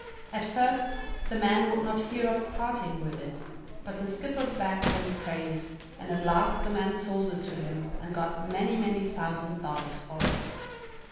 At first the man would not hear of parting with it, but the skipper begged and prayed, and at last the man sold it to him, and got many, many thousand dollars for it.